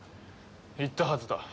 言ったはずだ。